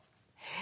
え！？